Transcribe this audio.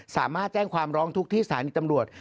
สามารถแจ้งความร้องทุกข์ที่สถานีตำรวจ